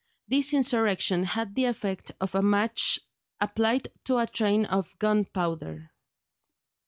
This insurrection had the effect of a match applied to a train of gunpowder.